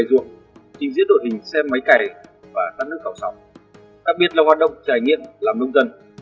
đặc biệt là hoạt động trải nghiệm làm nông dân